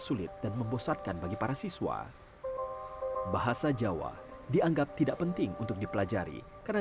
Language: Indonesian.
sulit dan membosatkan bagi para siswa bahasa jawa dianggap tidak penting untuk dipelajari karena